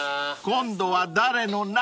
［今度は誰の何？］